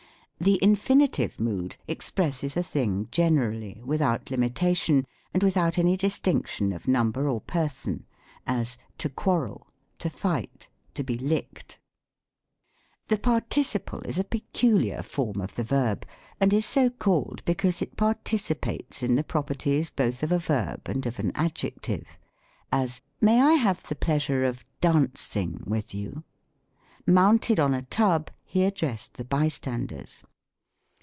The Infinitive Mood expresses a thing generally, without limitation, and without any distinction of num ber or person: as, "to quarrel, to fight, to be licked." The Participle is a peculiar form of the verb, and is so called, because it participates in the properties both of a verb and of an adjective: as, "May I have the pleasure of dancing with you ?" '■^Mounted on a tub he addressed the bystanders."